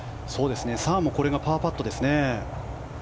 サーもこれがパーパットですね。